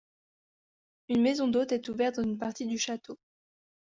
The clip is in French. Une maison d'hôtes est ouverte dans une partie du château.